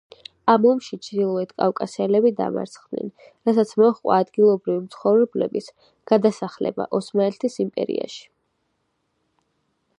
ამ ომში ჩრდილო კავკასიელები დამარცხდნენ, რასაც მოჰყვა ადგილობრივი მცხოვრებლების გადასახლება ოსმალეთის იმპერიაში.